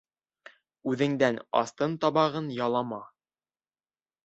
Үҙеңдән астын табағын ялама.